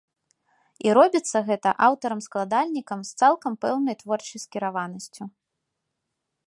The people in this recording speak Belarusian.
І робіцца гэта аўтарам-складальнікам з цалкам пэўнай творчай скіраванасцю.